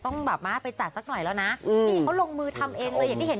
ต้องแบบว่าไปจัดสักหน่อยแล้วนะนี่เขาลงมือทำเองเลยอย่างที่เห็น